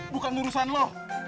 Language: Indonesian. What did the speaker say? bukan urusan lo